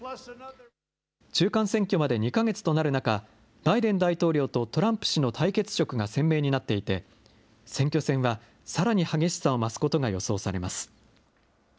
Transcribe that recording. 中間選挙まで２か月となる中、バイデン大統領とトランプ氏の対決色が鮮明になっていて、選挙戦はさらに激しさを増すことが予想されます。